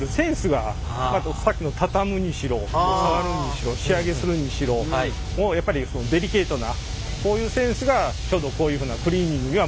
さっきの畳むにしろ触るにしろ仕上げするにしろやっぱりデリケートなこういうセンスがちょうどこういうふうなクリーニングには向いてると。